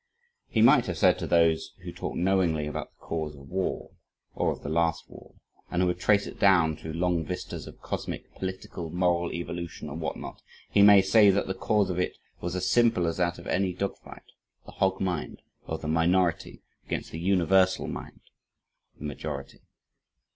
He might have said to those who talk knowingly about the cause of war or of the last war, and who would trace it down through long vistas of cosmic, political, moral evolution and what not he might say that the cause of it was as simple as that of any dogfight the "hog mind" of the minority against the universal mind, the majority.